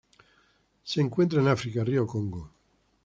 Se encuentran en África: rio Congo.